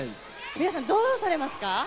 皆さんどうされますか？